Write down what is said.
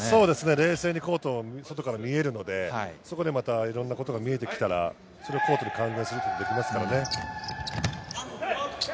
冷静にコートを外から見れるのでいろんなことが見えてきたら、コートに還元することができますからね。